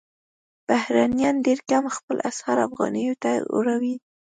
بهرنیان ډېر کم خپل اسعار افغانیو ته اړوي.